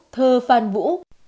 thơ phan vũ